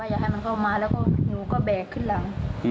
แล้วก็แบกขึ้นหลังผัดกัน